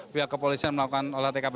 pihak kepolisian melakukan olah tkp